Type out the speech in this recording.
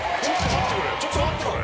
ちょっと待ってくれ。